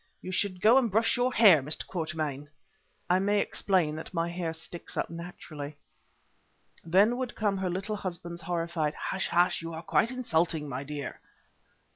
You should go and brush your hair, Mr. Quatermain." (I may explain that my hair sticks up naturally.) Then would come her little husband's horrified "Hush! hush! you are quite insulting, my dear."